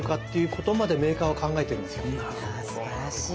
いやすばらしい。